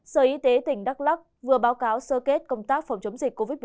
sở y tế tỉnh đắk lắc vừa báo cáo sơ kết công tác phòng chống dịch covid một mươi chín